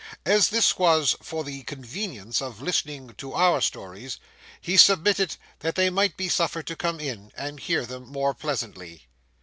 As this was for the convenience of listening to our stories, he submitted that they might be suffered to come in, and hear them more pleasantly.